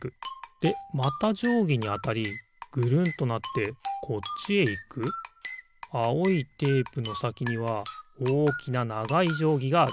でまたじょうぎにあたりぐるんとなってこっちへいくあおいテープのさきにはおおきなながいじょうぎがある。